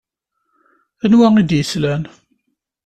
Anwa i d-yeslan?